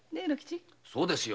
そうですよ。